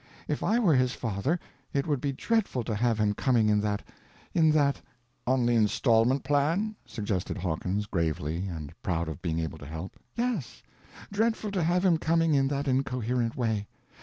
If I were his father it would be dreadful to have him coming in that—in that—" "On the installment plan," suggested Hawkins, gravely, and proud of being able to help. "Yes—dreadful to have him coming in that incoherent way.